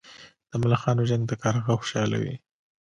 د ملخانو جنګ ته کارغه خوشاله وي.